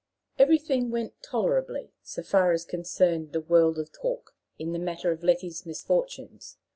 Everything went very tolerably, so far as concerned the world of talk, in the matter of Letty's misfortunes.